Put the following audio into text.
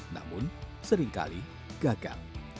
namun seringkali gagal